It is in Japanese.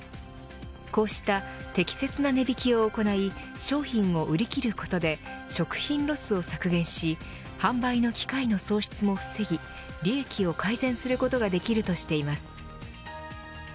こうした適切な値引きを行い商品を売り切ることで食品ロスを削減し販売の機会の喪失も防ぎ利益を改善することができるとしています。